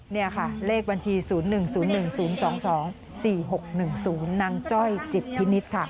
นี่ค่ะเลขบัญชี๐๑๐๑๐๒๒๔๖๑๐นางจ้อยจิตพินิษฐ์ค่ะ